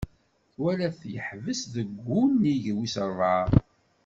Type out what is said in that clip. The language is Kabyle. Twala-t yeḥbes deg wunnig wisrebɛa.